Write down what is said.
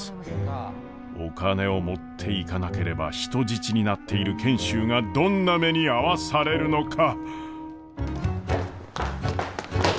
お金を持っていかなければ人質になっている賢秀がどんな目に遭わされるのか。